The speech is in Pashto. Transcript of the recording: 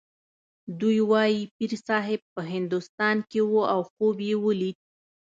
دوی وايي پیرصاحب په هندوستان کې و او خوب یې ولید.